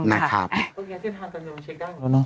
เชฟทางการเงินเช็คได้หรือเนอะ